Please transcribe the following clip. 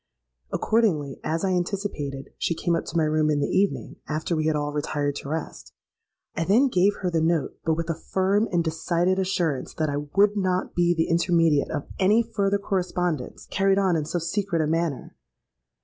Accordingly, as I anticipated, she came up to my room in the evening, after we had all retired to rest. I then gave her the note, but with a firm and decided assurance that I would not be the intermediate of any further correspondence carried on in so secret a manner.